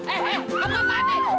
kalian apa sih woy